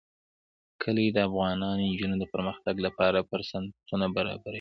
کلي د افغان نجونو د پرمختګ لپاره فرصتونه برابروي.